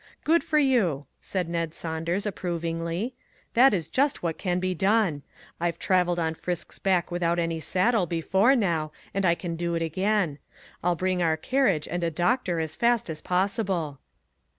" Good for you !" said Ned Saunders ap provingly. " That is just what can be done. I've traveled on Frisk's back without any saddle before now, and I can do it again. I'll bring our carriage and a doctor as fast as possible."